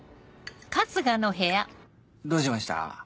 どうしました？